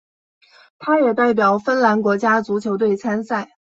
他也代表芬兰国家足球队参赛。